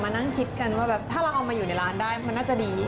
มานั่งคิดถ้าเราเอาไปอยู่ในร้านได้มันน่าจะดี